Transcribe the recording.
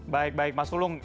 baik baik mas ulung